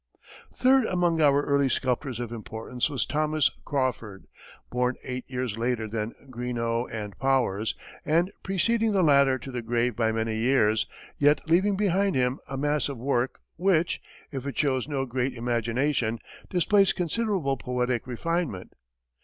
Third among our early sculptors of importance was Thomas Crawford, born eight years later than Greenough and Powers, and preceding the latter to the grave by many years, yet leaving behind him a mass of work which, if it shows no great imagination, displays considerable poetic refinement.